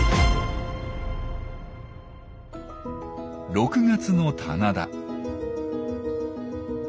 ６月の棚田。